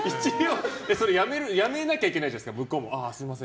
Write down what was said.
やめなきゃいけないじゃん向こうも。